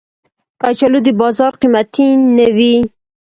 کچالو د بازار قېمتي نه وي